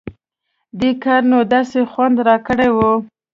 دې کار نو داسې خوند راکړى و.